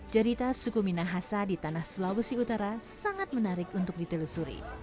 cerita suku minahasa di tanah sulawesi utara sangat menarik untuk ditelusuri